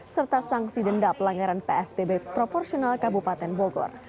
serta sanksi dendam pelanggaran psbb proporsional ke bupaten bogor